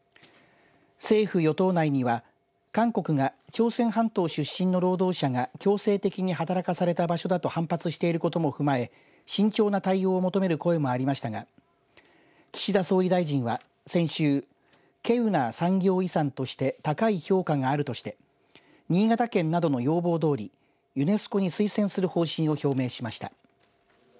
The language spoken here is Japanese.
政府与党内には韓国が朝鮮半島出身の労働者が強制的に働かされた場所だと反発していることも踏まえ慎重な対応を求める声もありましたが岸田総理大臣は、先週けうな産業遺産として高い評価があるとして新潟県などの要望どおりユネスコに推薦する方針を表明しました。